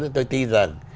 thì tôi tin rằng